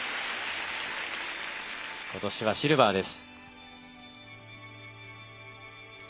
今年はシルバーです。